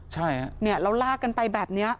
ใช่เนี่ยเราลากันไปแบบเนี้ย